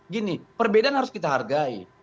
gini perbedaan harus kita hargai